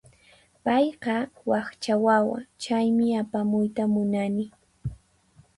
Payqa wakcha wawa, chaymi apamuyta munani.